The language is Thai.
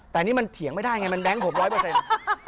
แต่นี่มันเถียงไม่ได้ไงมันแก๊งผมร้อยเปอร์เซ็นต์